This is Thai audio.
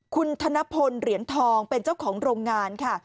คุณธนพลเหรียญทองเป็นเจ้าของโรงงานค่ะ